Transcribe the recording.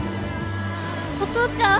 お父ちゃん？